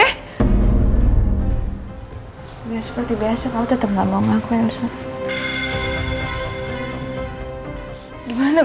ya seperti biasa kamu tetep gak mau ngaku ya